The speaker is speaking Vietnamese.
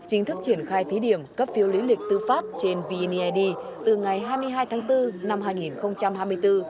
chính thức triển khai thí điểm cấp phiếu lý lịch tư pháp trên vned từ ngày hai mươi hai tháng bốn năm hai nghìn hai mươi bốn